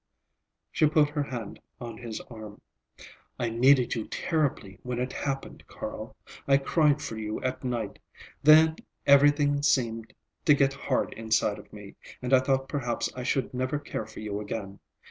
She put her hand on his arm. "I needed you terribly when it happened, Carl. I cried for you at night. Then everything seemed to get hard inside of me, and I thought perhaps I should never care for you again.